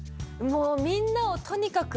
もうみんなをとにかく。